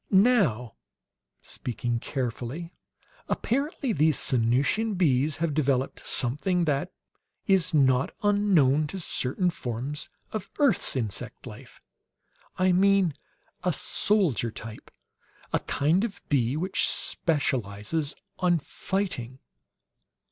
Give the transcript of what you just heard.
"Now," speaking carefully, "apparently these Sanusian bees have developed something that is not unknown to certain forms of earth's insect life. I mean, a soldier type. A kind of bee which specializes on fighting!"